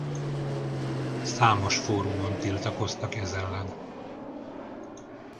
Számos fórumon tiltakoztak ez ellen.